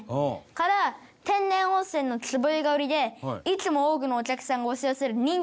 から天然温泉のつぼ湯が売りでいつも多くのお客さんが押し寄せる人気レトロ銭湯です。